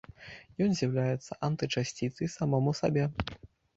Ён з'яўляецца антычасціцай самому сабе.